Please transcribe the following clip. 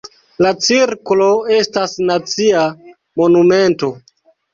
La cirklo estas nacia monumento.